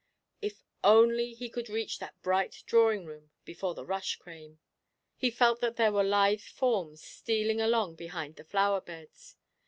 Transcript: If only he could reach that bright drawing room before the rush came! He felt that there were lithe forms stealing along behind the flower beds.